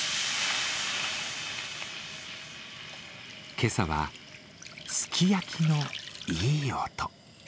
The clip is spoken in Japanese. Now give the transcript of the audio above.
今朝はすき焼きのいい音。